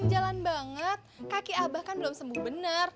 jalan banget kaki abah kan belum sembuh benar